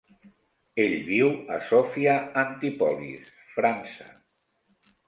Ell viu a Sophia Antipolis, França.